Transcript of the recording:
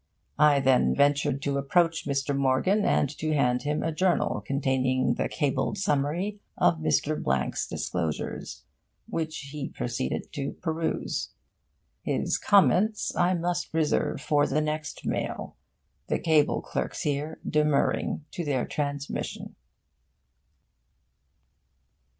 I then ventured to approach Mr. Morgan and to hand him a journal containing the cabled summary of Mr. Blank's disclosures, which he proceeded to peruse. His comments I must reserve for the next mail, the cable clerks here demurring to their transmission.